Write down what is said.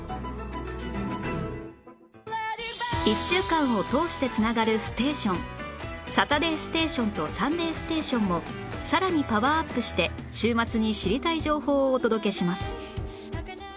１週間を通して繋がるステーション『サタデーステーション』と『サンデーステーション』もさらにパワーアップして週末に知りたい情報をお届けします